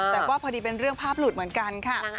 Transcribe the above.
แต่ว่าพอดีเป็นเรื่องภาพหลุดเหมือนกันค่ะ